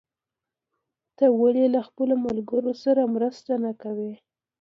ته ولې له خپلو ملګرو سره مرسته نه کوې؟